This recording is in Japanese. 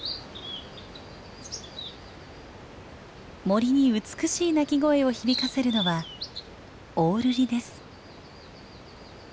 森に美しい鳴き声を響かせるのはオオルリです。